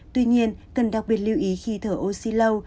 tuy nhiên cần đặc biệt lưu ý khi thở oxy lâu